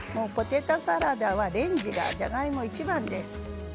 ポテトサラダはレンジでじゃがいもいちばんです。